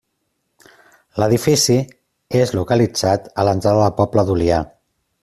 L'edifici és localitzat a l'entrada del poble d'Olià.